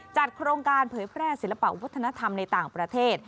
จัดโครงการเผยแพร่ศิลปะวัฒนธรรมในต่างประเทศ